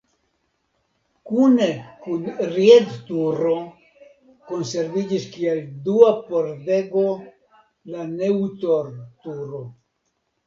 Kune kun Ried-turo konserviĝis kiel dua pordego la Neutor-turo.